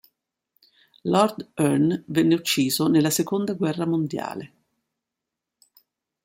Lord Erne venne ucciso nella Seconda guerra mondiale.